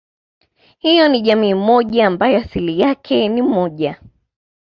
Hiyo ni jamii moja ambayo asili yake ni moja